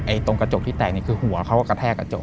ตรงกระจกที่แตกนี่คือหัวเขากระแทกกระจก